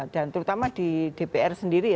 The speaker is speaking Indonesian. dan terutama di dpr sendiri ya